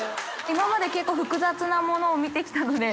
今まで結構複雑なものを見てきたので。